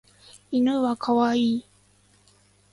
犬は可愛い。